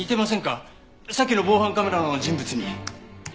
さっきの防犯カメラの人物に。